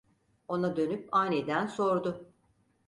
Ona dönüp aniden sordu: